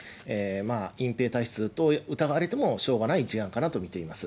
まあ、隠蔽体質と疑われてもしょうがない事案かなと見ています。